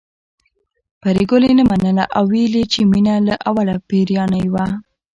پري ګلې نه منله او ويل يې چې مينه له اوله پيريانۍ وه